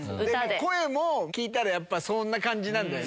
声も聞いたら、やっぱそんな感じなんだよね。